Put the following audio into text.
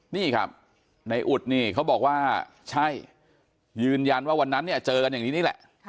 นี่ครับนายอุดเขาบอกว่าใช่ยืนยันว่าวันนั้นเจอกันอย่างนี้แหละ